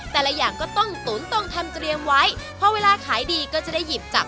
แต่ละอย่างก็ต้องตุ๋นต้องทำเตรียมไว้พอเวลาขายดีก็จะได้หยิบจับ